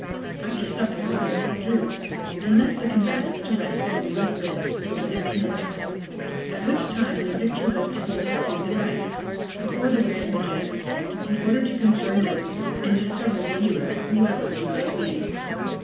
After Supper the Mutes withdrew, and left the Combatants to rest their wearied Limbs till the next Morning; at which Time the Victor was to produce his Device, before the Grand Magus, in order to confer Notes, and discover the Hero whoever he might be.